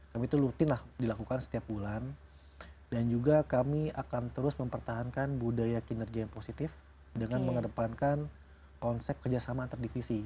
kami itu rutin dilakukan setiap bulan dan juga kami akan terus mempertahankan budaya kinerja yang positif dengan mengedepankan konsep kerjasama antar divisi